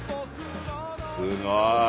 すごい！